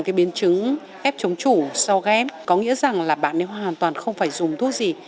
cái biến chứng ghép chống chủ sau ghép có nghĩa rằng là bạn nếu hoàn toàn không phải dùng thuốc gì